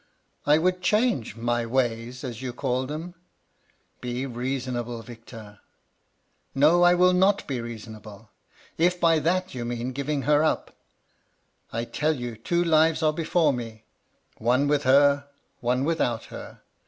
"' I would change " my ways," as you call them/ "* Be reasonable, Victor.' "* No, I will not be reasonable, if by that you mean giving her up. I tell you two lives are before me ; one with her, one without her.